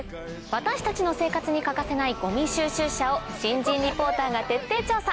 私たちの生活に欠かせないごみ収集車を新人リポーターが徹底調査。